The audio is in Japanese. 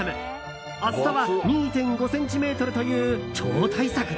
厚さは２．５ｃｍという超大作だ。